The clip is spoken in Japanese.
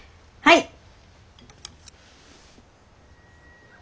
はい！